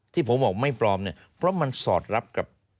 ที่ผมบอกไม่ปลอมเนี่ยเพราะมันสอดรับกับ